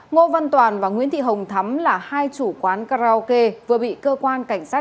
ngô văn toàn và nguyễn thị hồng thắm là hai chủ quán karaoke vừa bị cơ quan cảnh sát